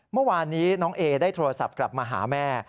เมื่อวานนี้น้องเอได้โทรศัพท์กลับมาหาแม่